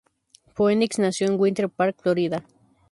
Phoenix nació en Winter Park, Florida.